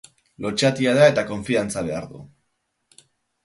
Lotsatia da eta konfiantza behar du.